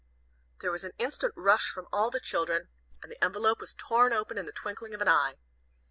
There was an instant rush from all the children, and the envelope was torn open in the twinkling of an eye.